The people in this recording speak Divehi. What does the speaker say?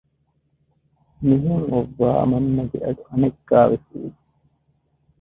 މިހެން އޮއްވާ މަންމަގެ އަޑު އަނެއްކާވެސް އިވިއްޖެ